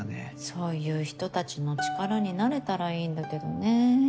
そういう人たちの力になれたらいいんだけどね。